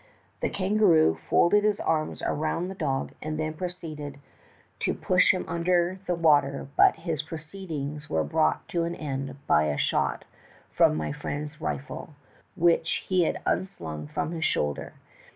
The kangaroo folded his ^.rms around the dog and then proceeded to push A BATTLE WITH A KANGAROO. 243 him tinder the water but his proeeedings were brought to an end by a shot from my friend's rifle, whieh he had unslung from his shoulder.